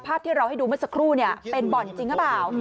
ภาพที่เราให้ดูเมื่อสักครู่เป็นบ่อนจริงหรือเปล่า